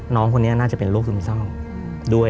น้องคนนี้น่าจะเป็นโรคซึมเศร้าด้วย